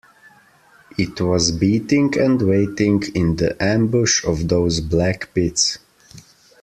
It was beating and waiting in the ambush of those black pits.